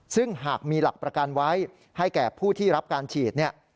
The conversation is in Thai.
ซึ่งหากมีหลักประกันไว้ให้แก่ผู้ที่รับการฉีดเนี่ย